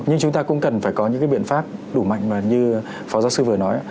nhưng chúng ta cũng cần phải có những cái biện pháp đủ mạnh mà như phó giáo sư vừa nói